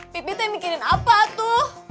pipi teh mikirin apa tuh